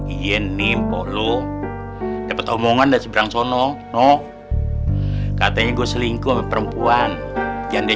ini polo dapat omongan dan seberang sono no katanya gue selingkuh perempuan janda